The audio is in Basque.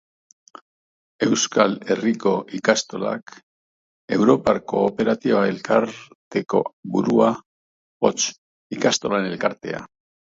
Euskal Herriko Ikastolak europar kooperatiba-elkarteko burua, hots, Ikastolen Elkartekoa.